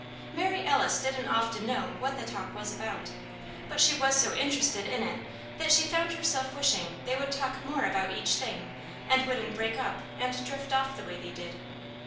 Mary Alice didn't often know what the talk was about; but she was so interested in it that she found herself wishing they would talk more about each thing and wouldn't break up and drift off the way they did.